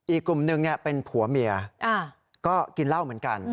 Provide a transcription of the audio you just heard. อีกกลุ่มหนึ่งเป็นผัวเมียก็กินเหล้าเหมือนกัน